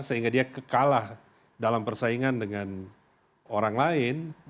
sehingga dia kekalah dalam persaingan dengan orang lain